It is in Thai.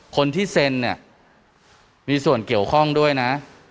คนที่เซ็นเนี่ยมีส่วนเกี่ยวข้องด้วยนะ